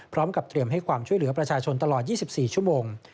พร้อมกับเตรียมให้ความช่วยเหลือประชาชนตลอด๒๔ชั่วโมง